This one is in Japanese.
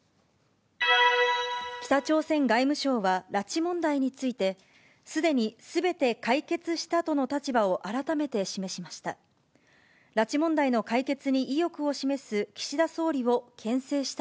北朝鮮外務省は拉致問題について、すでにすべて解決したとの立場を改めて示しました。